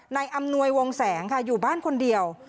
อำนวยวงแสงค่ะอยู่บ้านคนเดียว